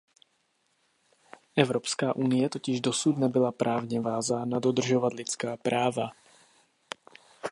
Evropská unie totiž dosud nebyla právně vázána dodržovat lidská práva.